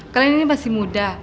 kalian ini masih muda